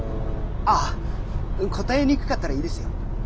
あ答えにくかったらいいですよ。